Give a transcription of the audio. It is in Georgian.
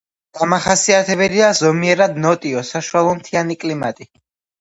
დამახასიათებელია ზომიერად ნოტიო საშუალო მთიანი კლიმატი.